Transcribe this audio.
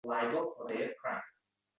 Aksiyada ming tub daraxt ko‘chati ekilding